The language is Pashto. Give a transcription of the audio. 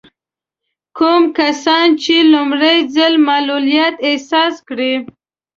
کوم کسان چې لومړی ځل معلوليت احساس کړي.